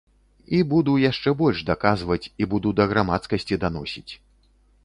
І буду яшчэ больш даказваць, і буду да грамадскасці даносіць.